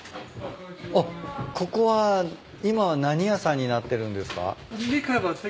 ここは今は何屋さんになってるんですか？